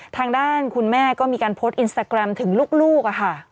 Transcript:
ทางด้านคุณแม่ก็มีการโพสต์อินสตาแกรมถึงลูกค่ะ